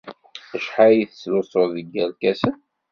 Acḥal ay tettlusud deg yerkasen?